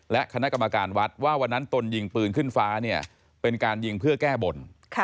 และคณะกรรมการวัดว่าวันนั้นตนยิงปืนขึ้นฟ้าเนี่ยเป็นการยิงเพื่อแก้บน